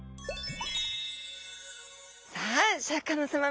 さあシャーク香音さま